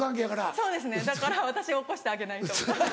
そうですねだから私起こしてあげないと。